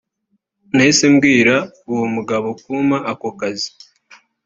nahise mbwira uwo mugabo kumpa ako kazi